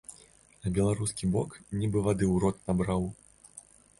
А беларускі бок нібы вады ў рот набраў!